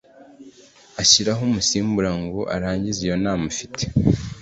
ashyiraho umusimbura ngo arangize iyonama afite